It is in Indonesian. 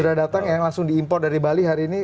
sudah datang ya langsung diimpor dari bali hari ini